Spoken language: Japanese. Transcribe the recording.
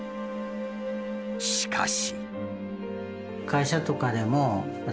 しかし。